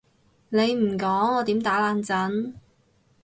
你唔講我點打冷震？